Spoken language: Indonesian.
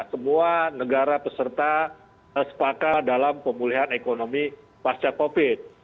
semua negara peserta sepakat dalam pemulihan ekonomi pasca covid